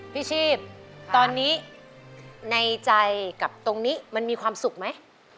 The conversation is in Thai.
ชีพตอนนี้ในใจกับตรงนี้มันมีความสุขไหม